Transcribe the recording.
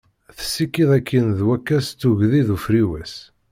Tessikid akin d wakka s tugdi d ufriwes.